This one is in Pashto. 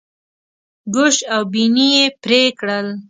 ګوش او بیني یې پرې کړل.